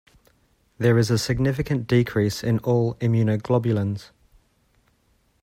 There is significant decrease in all immunoglobulins.